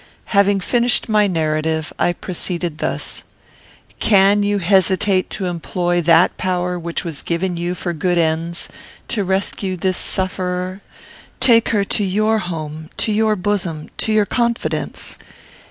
Having finished my narrative, I proceeded thus: "Can you hesitate to employ that power which was given you for good ends, to rescue this sufferer? Take her to your home; to your bosom; to your confidence.